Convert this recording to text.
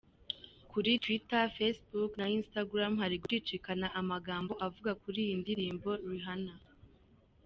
Kuri Twitter, Facebook na Instagram, hari gucicikana amagambo avuga kuri iyi ndirimbo ‘Rihanna’.